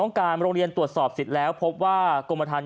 โป่งแร่ตำบลพฤศจิตภัณฑ์